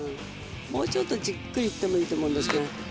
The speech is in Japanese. もうちょっとじっくり行ってもいいと思うんですけどね。